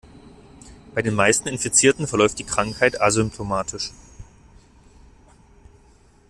Bei den meisten Infizierten verläuft die Krankheit asymptomatisch.